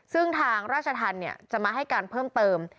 ซึ่งทางราชทันเนี่ยจะมาให้การเพิ่มเติม